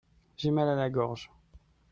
J'ai mal à la gorge.